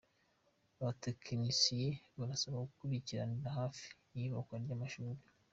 Abatekinisiye barasabwa gukurikiranira hafi iyubakwa ry’amashuri